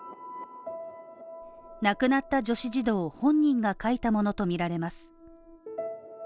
亡くなった女子児童本人が書いたものとみられます。